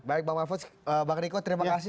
baik bang riko terima kasih